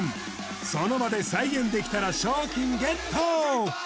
その場で再現できたら賞金ゲット！